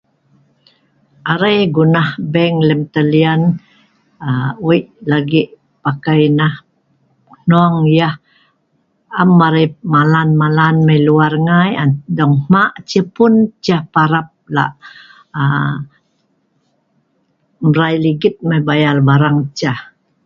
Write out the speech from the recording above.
Arai gonah bank lem talian aaa wei' lagi pakai nah hnong yah am arai malan-malan mai luar ngai an dong hma' cehpun Ceh parap lah' aaa mrai ligit Mai bayar barang Ceh.